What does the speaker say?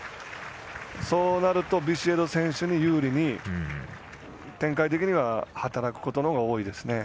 そうなるとビシエド選手に有利に展開的には働くことのほうが多いです。